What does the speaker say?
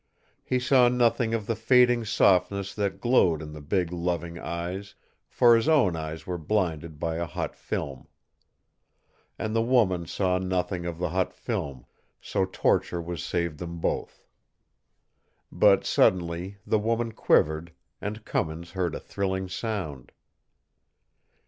He saw nothing of the fading softness that glowed in the big, loving eyes, for his own eyes were blinded by a hot film. And the woman saw nothing of the hot film, so torture was saved them both. But suddenly the woman quivered, and Cummins heard a thrilling sound.